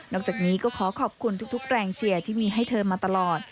จากนี้ก็ขอขอบคุณทุกแรงเชียร์ที่มีให้เธอมาตลอด